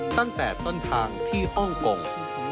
ตั้งแต่ต้นทางที่ฮ่องกง